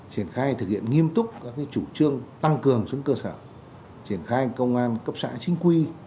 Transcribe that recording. triển khai thực hiện nghiêm túc các chủ trương tăng cường xuống cơ sở triển khai công an cấp xã chính quy